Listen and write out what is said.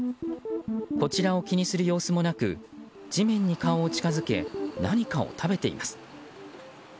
こちらを気にする様子もなく地面に顔を近づけ何かを食べています。